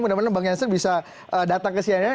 mudah mudahan bang jansen bisa datang kesiannya